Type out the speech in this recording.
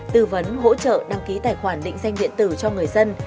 tư vấn hỗ trợ đăng ký tài khoản định danh điện tử cho người dân